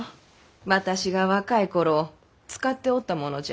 私が若い頃使っておったものじゃ。